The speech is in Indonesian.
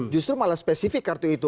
justru malah spesifik kartu itu